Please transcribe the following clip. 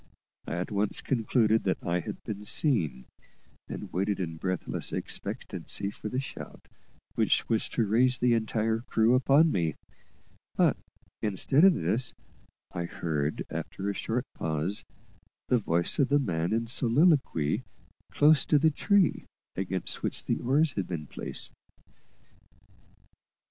I at once concluded that I had been seen, and waited in breathless expectancy for the shout which was to raise the entire crew upon me; but, instead of this, I heard, after a short pause, the voice of the man in soliloquy close to the tree against which the oars had been placed.